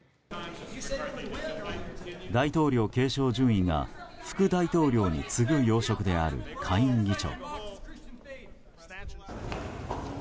大統領継承順位が副大統領に次ぐ要職である下院議長。